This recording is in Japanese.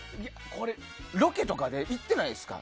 ロケとかで行ってないですか？